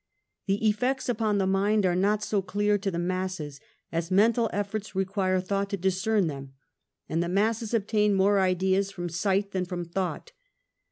The effects upon the mind are not so clear to the masses, as mental efforts require thought to dis cern them, and the masses obtain more ideas from sight than from thought.